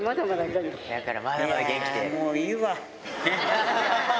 ああ、もういいわ。